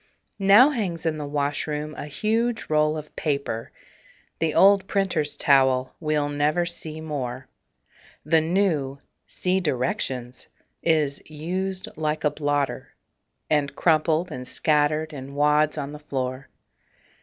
Now hangs in the washroom a huge roll of paper The old printer's towel we'll never see more. The new (see directions) is "used like a blotter," And crumpled and scattered in wads on the floor.